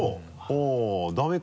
あぁダメか。